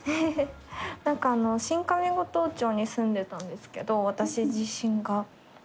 何かあの新上五島町に住んでたんですけど私自身が。